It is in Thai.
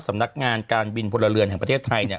สำนักงานการบินพลเรือนแห่งประเทศไทยเนี่ย